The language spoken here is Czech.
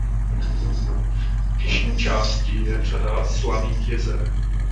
V jižní části je řada slaných jezer.